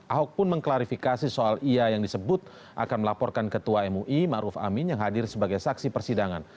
ahok pun mengklarifikasi soal ia yang disebut akan melaporkan ketua mui ⁇ maruf ⁇ amin yang hadir sebagai saksi persidangan